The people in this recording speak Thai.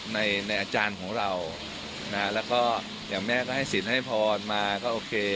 ในในอาจารย์ของเรานะฮะแล้วก็อย่างแม่ก็ให้สินให้พรมาก็โอเค